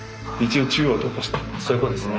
そういうことですね。